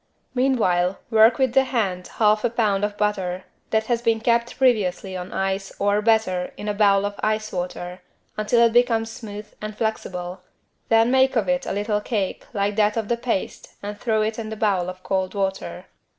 Meanwhile work with the hand 1/2 lb. of butter that has been kept previously on ice or, better, in a bowl of ice water, until it becomes smooth and flexible, then make of it a little cake like that of the paste and throw it in a bowl of cold water.